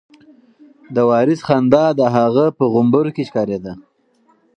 د وارث خندا د هغه په غومبورو کې ښکارېده.